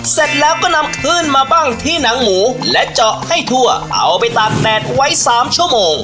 เสร็จแล้วก็นำขึ้นมาบ้างที่หนังหมูและเจาะให้ทั่วเอาไปตากแดดไว้สามชั่วโมง